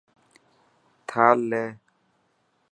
ٿال لي .